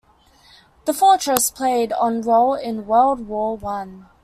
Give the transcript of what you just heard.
The fortress played a role in World War One.